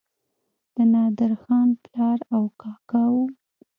د نادرخان پلار او کاکا وو.